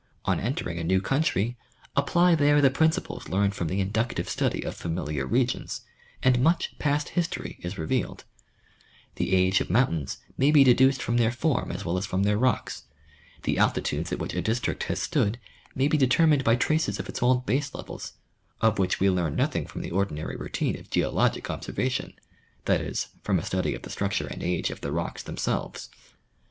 On entering a new country, apply there the principles learned from the inductive study of familiar regions, and much past history is revealed ; the age of mountains may be deduced from their form as well as from their rocks ; the altitudes at which a district has stood may be determined by traces of its old base levels, of which we learn nothing from the ordinary routine of geologic observation, that is, from a study of the structure and age of the rocks themselves.